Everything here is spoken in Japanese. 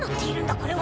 これは。